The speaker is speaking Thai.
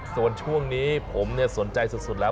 ส่วนช่วงนี้ผมสนใจสุดแล้ว